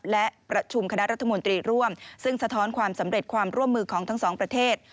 และประชุมคณะรัฐมนตรีร่วมซึ่งสะท้อนความสำเร็จความร่วมมือของทั้งสองประเทศ